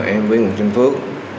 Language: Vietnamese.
em với nguyễn thành phước